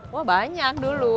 wah banyak dulu